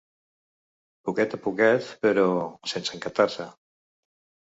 Poquet a poquet però... sense encantar-se.